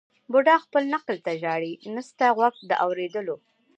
بوډا خپل نکل ته ژاړي نسته غوږ د اورېدلو